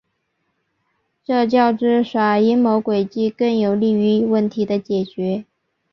这较之耍阴谋诡计更有利于问题的解决。